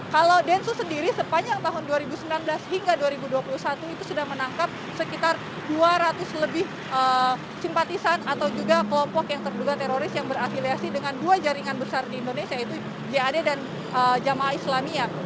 kalau densus sendiri sepanjang tahun dua ribu sembilan belas hingga dua ribu dua puluh satu itu sudah menangkap sekitar dua ratus lebih simpatisan atau juga kelompok yang terduga teroris yang berafiliasi dengan dua jaringan besar di indonesia yaitu jad dan jamaah islamiyah